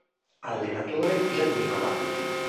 Allenatore: Giannino Valli.